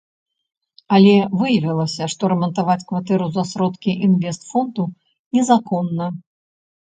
Але выявілася, што рамантаваць кватэру за сродкі інвестфонду незаконна.